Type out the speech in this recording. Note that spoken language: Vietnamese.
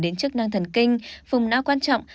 đến chức năng thần kinh phùng não quan trọng